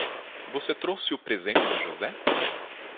Você trouxe o presente do José?